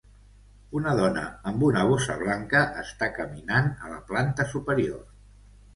Una dona amb una bossa Blanca està caminant a la planta superior